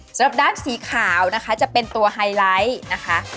สำหรับด้านสีขาวจะเป็นตัวไฮไลท์